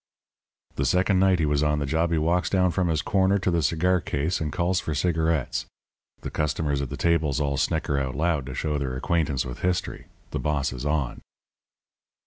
"The second night he was on the job he walks down from his corner to the cigar case and calls for cigarettes. The customers at the tables all snicker out loud to show their acquaintance with history. The boss is on.